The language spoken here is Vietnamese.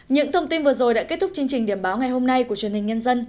những thông tin vừa rồi đã kết thúc chương trình điểm báo ngày hôm nay của truyền hình nhân dân